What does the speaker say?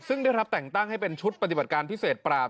ซึ่งได้รับแต่งตั้งให้เป็นชุดปฏิบัติการพิเศษปราบ